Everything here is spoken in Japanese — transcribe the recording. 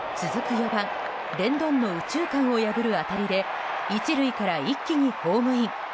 ４番レンドンの右中間を破る当たりで１塁から一気にホームイン。